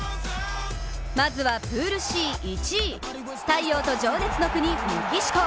まずはプールＣ１位、太陽と情熱の国、メキシコ。